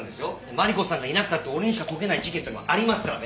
マリコさんがいなくたって俺にしか解けない事件っていうのもありますからね。